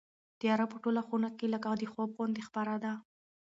تیاره په ټوله خونه کې لکه د خوب غوندې خپره ده.